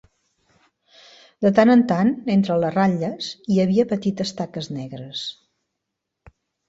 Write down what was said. De tant en tant, entre les ratlles, hi havia petites taques negres.